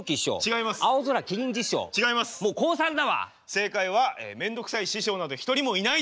正解は「めんどくさい師匠など一人もいない」でした。